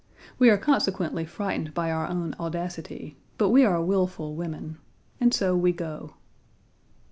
We are consequently frightened by our own audacity, but we are wilful women, and so we go.